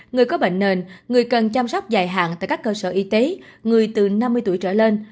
người có bệnh nền người cần chăm sóc dài hạn tại các cơ sở y tế người từ năm mươi tuổi trở lên